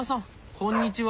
こんにちは。